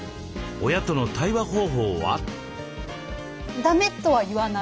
親との対話方法は？